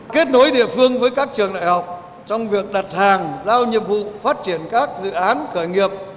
kết nối địa phương với các trường đại học trong việc đặt hàng giao nhiệm vụ phát triển các dự án khởi nghiệp